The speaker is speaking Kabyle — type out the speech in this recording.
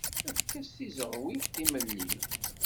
Efk-as tizeɣwi timelli.